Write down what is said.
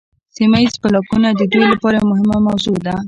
سیمه ایز بلاکونه د دوی لپاره یوه مهمه موضوع ده